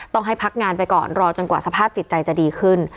ต้องให้พักงานไปก่อนรอจนกว่าสภาพจิตใจจะดีขึ้น